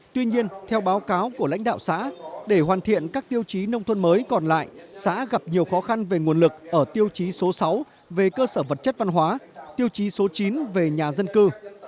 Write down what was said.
tuy nhiên theo báo cáo của lãnh đạo xã để hoàn thiện các tiêu chí nông thôn mới còn lại xã gặp nhiều khó khăn về nguồn lực ở tiêu chí số sáu về cơ sở vật chất văn hóa tiêu chí số chín về nhà dân cư